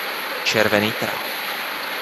Červený král.